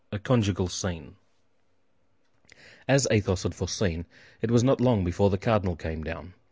A CONJUGAL SCENE As Athos had foreseen, it was not long before the cardinal came down.